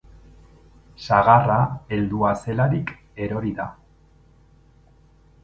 Sagarra heldua zelarik erori da.